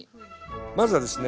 まずはですね